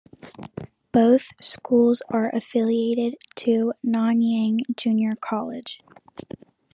Both schools are affiliated to Nanyang Junior College.